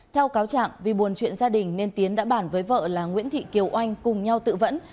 theo cáo trạng vì buồn chuyện gia đình nên tiến đã bản với vợ là nguyễn thị kiều oanh cùng nhau tự vẫn